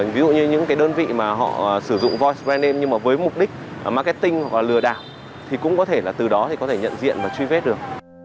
ví dụ như những cái đơn vị mà họ sử dụng voice brand name nhưng mà với mục đích marketing hoặc lừa đảo thì cũng có thể là từ đó thì có thể nhận diện và truy vết được